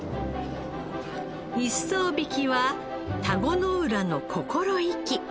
一艘曳きは田子の浦の心意気。